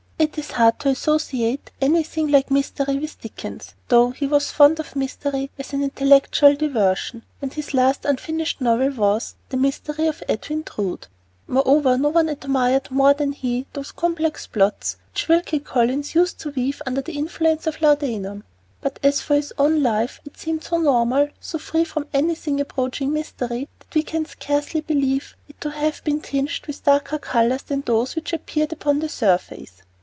It is hard to associate anything like mystery with Dickens, though he was fond of mystery as an intellectual diversion, and his last unfinished novel was The Mystery of Edwin Drood. Moreover, no one admired more than he those complex plots which Wilkie Collins used to weave under the influence of laudanum. But as for his own life, it seemed so normal, so free from anything approaching mystery, that we can scarcely believe it to have been tinged with darker colors than those which appeared upon the surface.